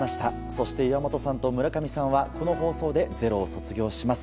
そして岩本さんと村上さんはこの放送で「ｚｅｒｏ」を卒業します。